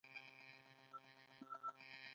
چیني لوښي په ټوله نړۍ کې مشهور دي.